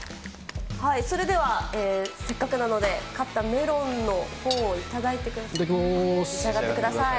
それでは、せっかくなので、勝ったメロンのほうを頂いてください。